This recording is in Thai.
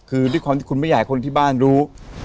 คือด้วยความที่คุณไม่อยากให้คนที่บ้านรู้